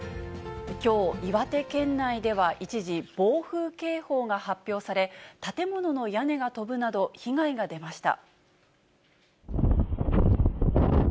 きょう、岩手県内では一時、暴風警報が発表され、建物の屋根が飛ぶなど被害が出ました。